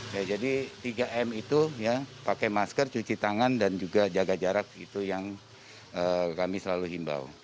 ya jadi tiga m itu ya pakai masker cuci tangan dan juga jaga jarak itu yang kami selalu himbau